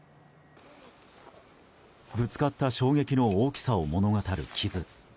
ぶつかった衝撃の大きさを物語る傷。